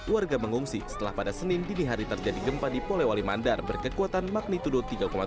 warga mengungsi setelah pada senin dini hari terjadi gempa di polewali mandar berkekuatan magnitudo tiga satu